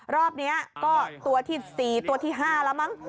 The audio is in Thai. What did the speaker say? รอบนี้ก็ตัวที่๔ตัวที่๕แล้วมั้ง